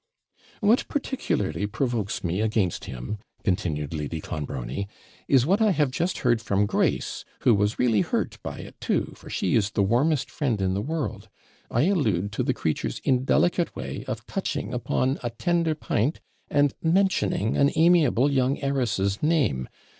'What particularly provokes me against him,' continued Lady Clonbrony, 'is what I have just heard from Grace, who was really hurt by it, too, for she is the warmest friend in the world: I allude to the creature's indelicate way of touching upon a tender PINT, and mentioning an amiable young heiress's name.